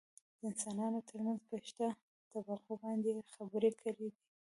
دانسانانو ترمنځ په شته طبقو باندې يې خبرې کړي دي .